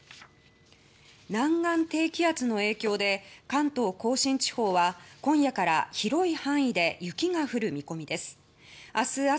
南岸低気圧の影響で関東・甲信地方は今夜から広い範囲で雪が降る見込みです。